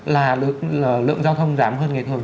là lượng giao thông giảm hơn ngày thường